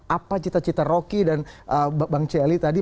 apa cita cita rocky dan bang celi tadi